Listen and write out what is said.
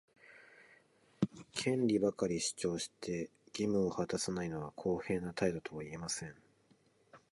権利ばかり主張して、義務を果たさないのは公平な態度とは言えません。